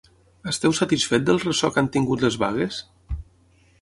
Esteu satisfet del ressò que han tingut les vagues?